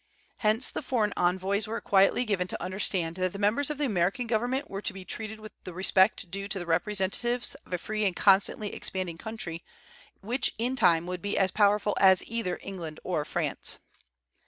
Hence the foreign envoys were quietly given to understand that the members of the American government were to be treated with the respect due to the representatives of a free and constantly expanding country, which in time would be as powerful as either England or France.